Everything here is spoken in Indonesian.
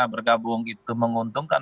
bergabung itu menguntungkan